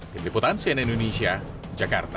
dibiputan siena indonesia jakarta